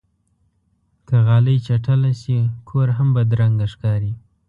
که غالۍ چټله شي، کور هم بدرنګه ښکاري.